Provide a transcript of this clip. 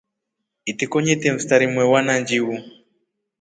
Itiko nyete mstari mwewa na njiu.